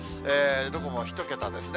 どこも１桁ですね。